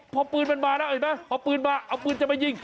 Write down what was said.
พอปืนมันมาแล้วเห็นไหมพอปืนมาเอาปืนจะมายิง